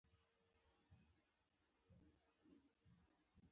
لاسونه روزنه غواړي